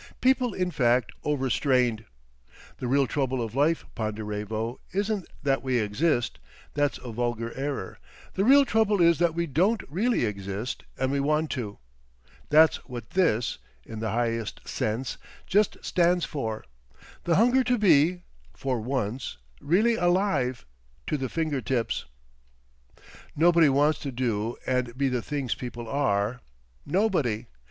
People, in fact, overstrained.... The real trouble of life, Ponderevo, isn't that we exist—that's a vulgar error; the real trouble is that we don't really exist and we want to. That's what this—in the highest sense—just stands for! The hunger to be—for once—really alive—to the finger tips!... "Nobody wants to do and be the things people are—nobody.